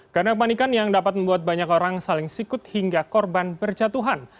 karena panikan yang dapat membuat banyak orang saling sikut hingga korban berjatuhan